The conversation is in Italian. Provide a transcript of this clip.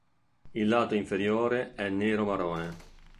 Il lato inferiore è nero-marrone.